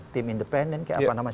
tim independen kayak apa nama